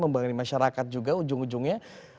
membangun masyarakat juga ujung ujungnya